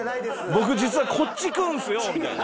「僕実はこっち食うんすよ」みたいな。